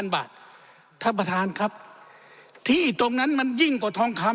บาทท่านประธานครับที่ตรงนั้นมันยิ่งกว่าทองคำ